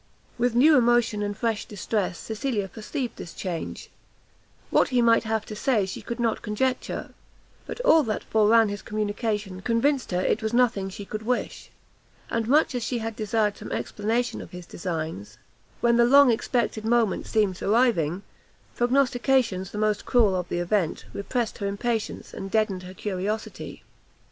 With new emotion and fresh distress Cecilia perceived this change; what he might have to say she could not conjecture, but all that foreran his communication convinced her it was nothing she could wish; and much as she had desired some explanation of his designs, when the long expected moment seemed arriving, prognostications the most cruel of the event, repressed her impatience, and deadened her curiosity.